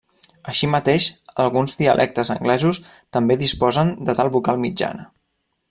Així mateix, alguns dialectes anglesos també disposen de tal vocal mitjana.